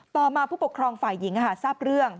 ต่อมาผู้ปกครองฝ่ายหญิงทราบเรื่อง